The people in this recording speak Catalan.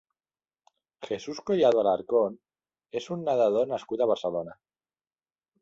Jesús Collado Alarcón és un nedador nascut a Barcelona.